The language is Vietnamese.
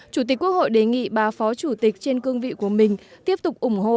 chủ tịch quốc hội đề nghị bà phó chủ tịch trên cương vị của mình tiếp tục ủng hộ